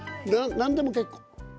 何でも結構。